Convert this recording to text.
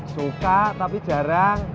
suka tapi jarang